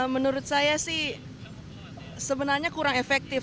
menurut saya sih sebenarnya kurang efektif